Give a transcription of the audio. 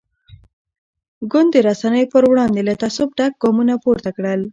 ګوند د رسنیو پر وړاندې له تعصب ډک ګامونه پورته کړل.